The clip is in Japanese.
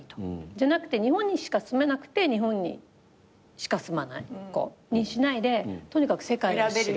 じゃなくて日本にしか住めなくて日本にしか住まない子にしないでとにかく世界を知る。